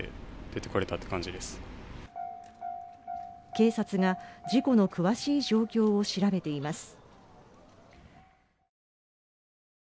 警察が事故の詳しい状況を調べています。